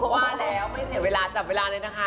ว่าแล้วไม่เสียเวลาจับเวลาเลยนะคะ